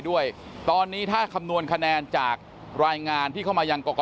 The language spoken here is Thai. กรกตกลางได้รับรายงานผลนับคะแนนจากทั่วประเทศมาแล้วร้อยละ๔๕๕๔พักการเมืองที่มีแคนดิเดตนายกคนสำคัญ